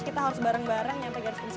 kita harus bareng bareng sampai garis polisi